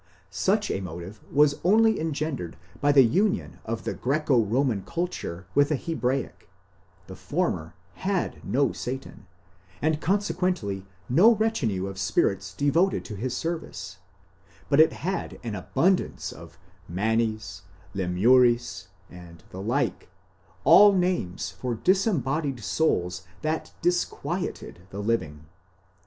Such a motive was only engendered by the union of the Greeco roman culture with the Hebraic: the former had no Satan, and consequently no retinue of spirits devoted to his service, but it had an abundance of Manes, Lemures, and the like,—all names for disembodied souls that disquieted the living.